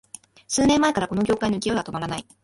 数年前からこの業界の勢いは止まらない